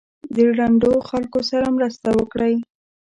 د ړندو خلکو سره مرسته وکړئ.